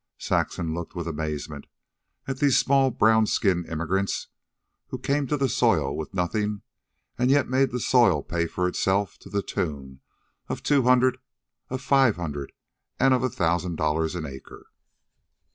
Saxon looked with amazement at these small, brown skinned immigrants who came to the soil with nothing and yet made the soil pay for itself to the tune of two hundred, of five hundred, and of a thousand dollars an acre.